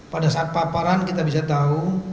pada saat paparan kita bisa tahu